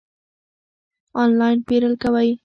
آنلاین پیرل کوئ؟